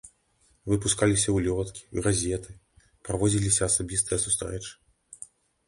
Выпускаліся ўлёткі, газеты, праводзіліся асабістыя сустрэчы.